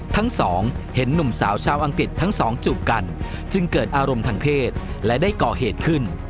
ทั้งสองเห็นหนุ่มสาวชาวอังกฤษทั้งสองจูบกันจึงเกิดอารมณ์ทางเพศและได้ก่อเหตุขึ้น